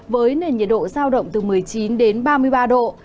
với nền nhiệt độ giao động từ một mươi chín đến ba mươi ba độ